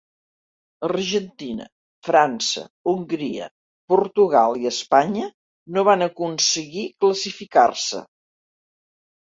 Argentina, França, Hongria, Portugal i Espanya no van aconseguir classificar-se.